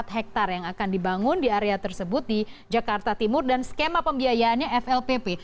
empat hektare yang akan dibangun di area tersebut di jakarta timur dan skema pembiayaannya flpp